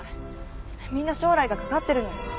みんな将来がかかってるのよ。